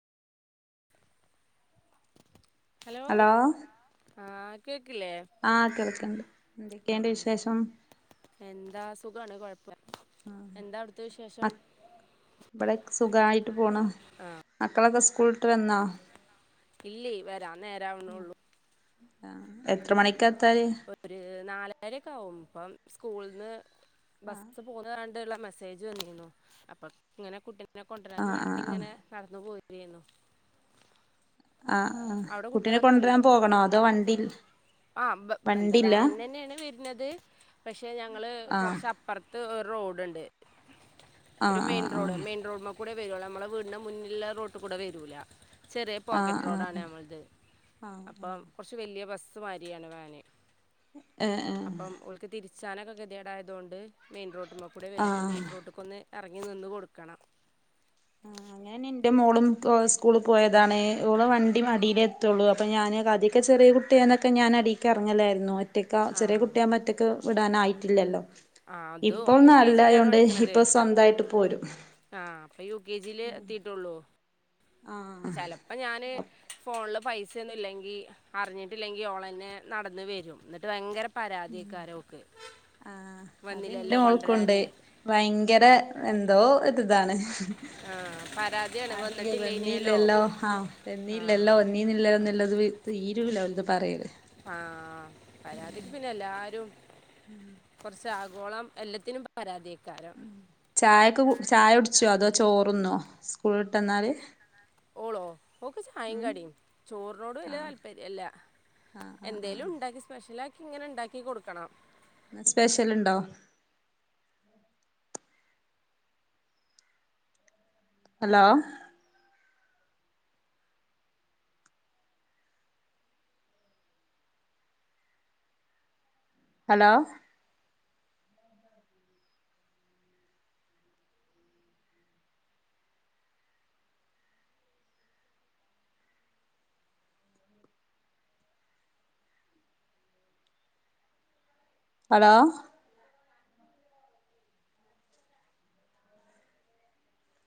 Hello hello ആര് ആ കേൽക്ക്ണ്ട് എൻതൊക്കെയിണ്ട് ആഹ് വിശേഷം. എന്താ സുഖാണ് കൊഴപ്പ എന്താ അവിട്ത്തെ വിശേഷം. ബടെക് സുഖായിട്ട് പോണ് മക്കളൊക്കെ സ്കൂള്ട്ട് വന്നോ? ഇല്ലേ വെരാൻ നേരാവുണുള്ളൂ എത്ര മണിക്കാത്തല് അരക്കാവും പ്പം സ്കൂള്ന്ന് ആഹ് ബസ് പോ കാണ് തുള്ള മെസ്സേജ് വന്നിന്നു. അപ്പോ ഇങ്ങനെ കുട്ടീനെ കൊണ്ടരാനും വാൻ ആഹ് ആഹ് ണ്ടീങ്ങനെ നടന്ന് പോയി രീണു. ആഹ് ആഹ് കുട്ടിനെ കൊണ്ടുവരാൻ പോകണോ അതോ വണ്ടി - ആ വ്വ വെന്താ വാൻലെന്നെയാണ് വരുന്നത് പക്ഷെ ഞങ്ങള് ആഹ് കൊറച്ച് അപ്പറത്ത് ഓ റോഡ്ണ്ട് ഒരു ആഹ് മെയിൻ റോഡ് ആഹ് മെയിൻ റോഡ്മ്മക് കൂടെ വരുകുള്ളൂ നമ്മളെ വീടിന്റെ മുന്നിലുള്ള റോടിക്കൂടെ വരൂല ചെറിയ ആഹ് പോക്കറ്റ് ആഹ് റോഡാണ്. നമ്മൾത് ആഹ് ആഹ് അപ്പം കൊറച്ച് വല്ലിയ ബസ്. സ് മാരിയാണ് വാന് ആഹ് ആഹ് ആഹ് അപ്പം ഓൽക്ക് തിരിച് ച്ചാനൊക്കെ ഗതികേടായതോണ്ട്. മെയിൻ റോട്ട്മ്മ കൂടെയാ വരാ അപ്പം മെയിൻ ആഹ് റോട്ടിക്കൊന്ന്. എറങ്ങി നിന്ന് കൊടുക്കണം. ഞാൻ എൻ്റെ മോളും സ്കൂളിൽ പോയതാണ്. ഓള് വണ്ടി അടിയിലെ എത്തുള്ളു അപ്പം ഞാന് കദിക്കെ ചെ ചെറിയ കുട്ടിയാന്നൊക്കെ ഞാൻ അടിക്ക് എറങ്ങലായിരുന്നു. ഒറ്റയ്ക്ക ആ ചെറിയ കുട്ടിയാവുമ്പം ഒറ്റയ്ക്ക് വിടാനായിട്ടില്ലല്ലോ? ആ അത് ഇപ്പം യു കെ ജിയിലാണ് നാലിലായോണ്ട് പഠിക്കണത് ഇപ്പം സ്വന്തായിട്ട് പോരും. ക്കില് എത്തിട്ടൊള്ളു ആഹ് ചെലപ്പം ഞാന് ഫാൺല് പൈസയൊന്നും ഇല്ലെങ്കി അറിഞ്ഞിട്ടില്ലെങ്കി ഓൾ അന്നെ നടന്ന് വരും. എന്നിട്ട് ഭയങ്കര പരാതിയക്കാരോക്ക്. അ അത് എന്റെ മോൾക്കുണ്ട്. ഭയങ്കര എന്തോ ഒരിതാണ്. ആഹ് പ ആശങ്കയാ വന്നീല്ലല്ലോ ആഹ് ആ എനിയില്ലല്ലോ എന്നീനില്ലോ നില്ലത്. തീരൂല എന്താ പറയൂലെ ആഹ് പരാതിക്ക് പിന്നെ എല്ലാരും. താഗോളം എല്ലത്തിനും പരാതിയ ഉ ചായക്ക് ചായ കുടിച്ചോ അതോ ചോറിന്നോ സ്കൂൾ വിട്ട് വന്നാല്. ഓളോ ഓക്ക് ചായോം കടിയും. ചോറിനോട് ആ വലിയ താല്പര്യല്ല. ആ ആ ആ എന്തേലും ഉണ്ടാക്കി സ്പെഷ്യലാക്കി ഇങ്ങനെ ഉണ്ടാക്കി കൊടുക്കണം. സ്പെഷ്യൽ ഇണ്ടോ? ഹലോ? ഹലോ? ഹലോ?